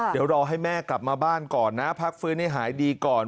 เดี๋ยวรอให้แม่กลับมาบ้านก่อนนะพักฟื้นให้หายดีก่อน